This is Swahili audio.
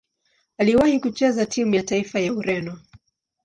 Aliwahi kucheza timu ya taifa ya Ureno.